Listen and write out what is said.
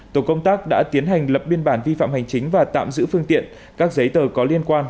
tổ công tác đã tiến hành lập biên bản vi phạm hành chính và tạm giữ phương tiện các giấy tờ có liên quan